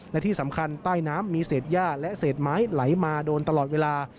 และที่สำคัญใต้น้ำมีเศษย่าและเศษไม้ไหลมาโดนตลอดเวลา